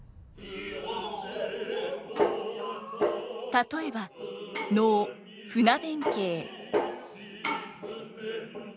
例えば能「船弁慶」。